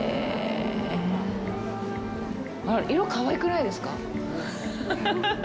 色かわいくないですか？